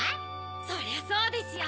そりゃそうですよ。